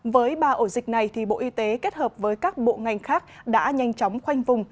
với ba ổ dịch này bộ y tế kết hợp với các bộ ngành khác đã nhanh chóng khoanh vùng